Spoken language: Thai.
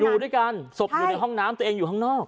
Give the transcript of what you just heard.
อยู่ด้วยกันศพอยู่ในห้องน้ำตัวเองอยู่ข้างนอก